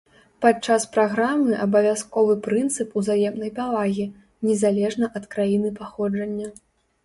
Падчас праграмы абавязковы прынцып узаемнай павагі, незалежна ад краіны паходжання.